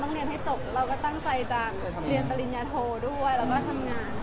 ทางตอนแรกเราก็ตั้งใจจังฐานปฤนยาโลด้วยและก็ทำงาน